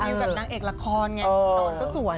อยู่กับนางเอกละครไงนอนก็สวย